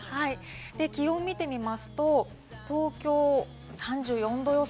気温を見てみますと、東京３４度予想。